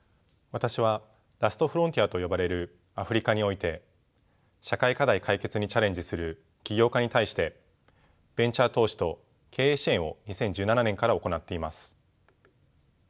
私はラストフロンティアと呼ばれるアフリカにおいて社会課題解決にチャレンジする起業家に対してベンチャー投資と経営支援を２０１７年から行っています。